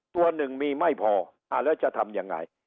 ตัวหนึ่งมีไม่พอแล้วจะทำยังไง